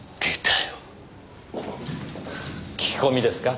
聞き込みですか？